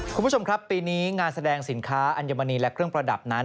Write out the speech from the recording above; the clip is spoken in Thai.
คุณผู้ชมครับปีนี้งานแสดงสินค้าอัญมณีและเครื่องประดับนั้น